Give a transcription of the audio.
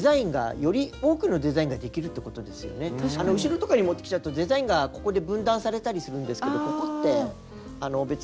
後ろとかにもってきちゃうとデザインがここで分断されたりするんですけどここって別にデザインが。